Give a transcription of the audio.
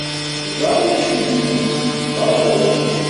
Ẓer d acu i d nnefs: d aḍu.